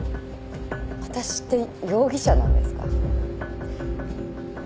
私って容疑者なんですか？